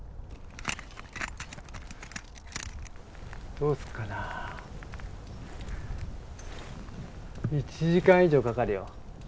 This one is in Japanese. どうするかな１時間以上かかるよ。